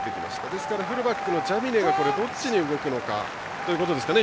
ですからフルバックのジャミネがどっちに動くかということですね。